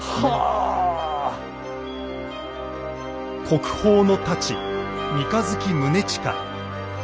国宝の太刀「三日月宗近」。